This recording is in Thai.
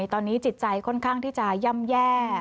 ตอนนี้จิตใจค่อนข้างที่จะย่ำแย่